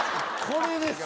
これです。